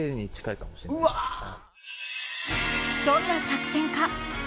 ［どんな作戦か］